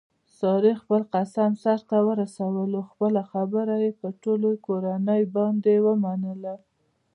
سارې خپل قسم سرته ورسولو خپله خبره یې په ټوله کورنۍ باندې ومنله.